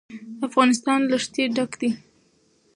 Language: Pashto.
افغانستان له ښتې ډک دی.